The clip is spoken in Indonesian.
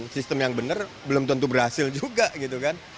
sistem yang benar belum tentu berhasil juga gitu kan